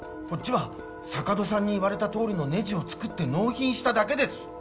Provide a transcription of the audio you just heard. こっちは坂戸さんに言われたとおりのネジを作って納品しただけです